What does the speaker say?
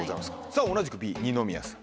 さぁ同じくＢ二宮さん。